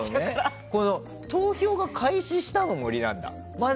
投票が開始したの森なんだ。